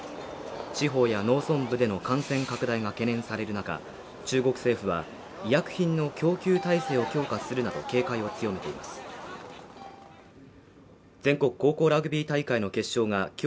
地方や農村部での感染拡大が懸念される中中国政府は医薬品の供給体制を強化するなど警戒を強めています全国高校ラグビー大会の決勝が今日